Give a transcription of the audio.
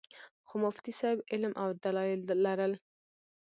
خو مفتي صېب علم او دلائل لرل